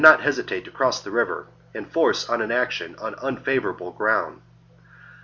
not hesitate to cross the river and force on an action on unfavourable ground.